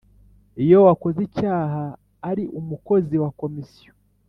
Iyo uwakoze icyaha ari umukozi wa Komisiyo